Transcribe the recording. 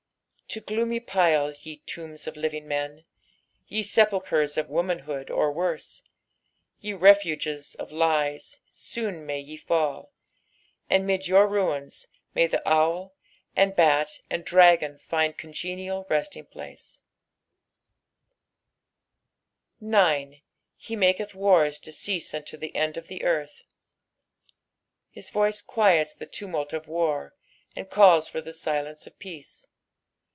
" Te f^oomr plies, ye tombs of llviajt men, Te lepalcUres of womBubood, or worse ; Tu reruns of lies, soon may ye fall, And 'mid jour ruins tost thi: owl. and bat, And dnKon Und congenUl resUn); place." 9. "Bt mofatA ttart to ceoMUTito the end of the earth." His voice quiets the tumult of war, and calls for the silence of peace.